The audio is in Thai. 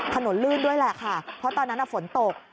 ลื่นด้วยแหละค่ะเพราะตอนนั้นฝนตก